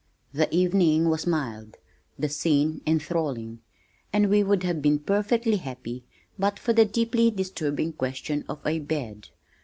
The evening was mild, the scene enthralling, and we would have been perfectly happy but for the deeply disturbing question of a bed.